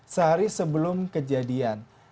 sehari sebelum kejadian